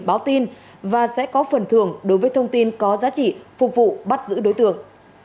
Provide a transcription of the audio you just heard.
báo tin và sẽ có phần thường đối với thông tin có giá trị phục vụ bắt giữ đối tượng